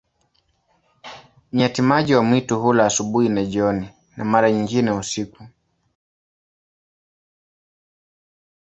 Nyati-maji wa mwitu hula asubuhi na jioni, na mara nyingine usiku.